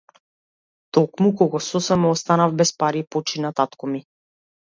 Токму кога сосема останав без пари, почина татко ми.